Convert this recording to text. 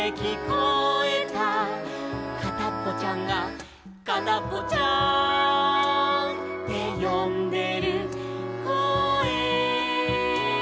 「かたっぽちゃんがかたっぽちゃーんってよんでるこえ」